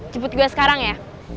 jebut gue sekarang ya